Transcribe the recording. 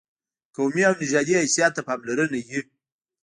قومي او نژادي حیثیت ته پاملرنه وي.